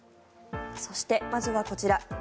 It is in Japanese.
そして、まずはこちら。